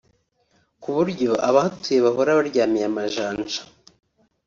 kuburyo abahatuye bahora baryamiye amajanja